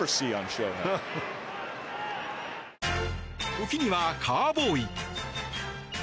時にはカウボーイ。